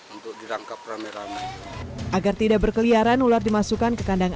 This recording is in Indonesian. untuk dirangkap rame rame agar tidak berkeliaran ular dimasukkan ke kandang